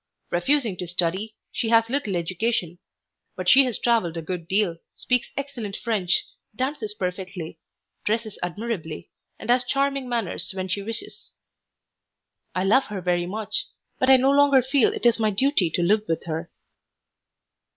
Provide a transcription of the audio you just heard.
Refusing to study, she has little education, but she has traveled a good deal, speaks excellent French, dances perfectly, dresses admirably, and has charming manners when she wishes. I love her very much, but I no longer feel it is my duty to live with her.